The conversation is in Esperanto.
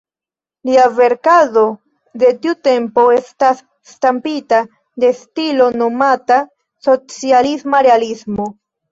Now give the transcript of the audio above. Lia verkado de tiu tempo estas stampita de stilo nomata socialisma realismo.